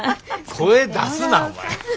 声出すなお前は。